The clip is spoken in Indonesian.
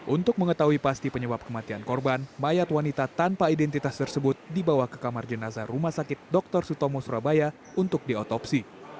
untuk mengetahui pasti penyebab kematian korban mayat wanita tanpa identitas tersebut dibawa ke kamar jenazah rumah sakit dr sutomo surabaya untuk diotopsi